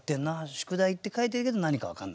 「宿題」って書いてるけど何か分かんない。